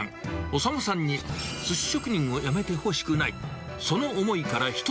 修さんにすし職人を辞めてほしくない。